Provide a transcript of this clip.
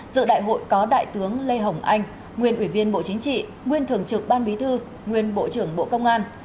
dự đại hội có đại tướng lê hồng anh nguyên ủy viên bộ chính trị nguyên thường trực ban bí thư nguyên bộ trưởng bộ công an